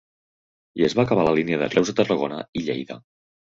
I es va acabar la línia de Reus a Tarragona i Lleida.